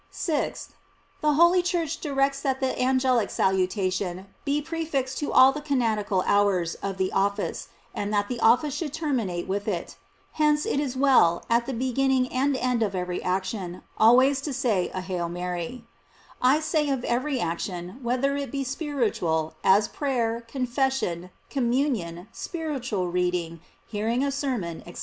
6th. The holy Church directs that the angelical salu tation be prefixed to all the canonical hours of the office, and that the office should terminate with it; hence it is well, at the beginning and end of every action, always to sa}T a "Hail Mary;" I say of every action, whether it be spiritual, as prayer, confession, communion, spiritual reading, hearing a sermon, &c.